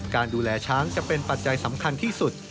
การดูแลช้างจะเป็นปัจจัยสำคัญที่สุด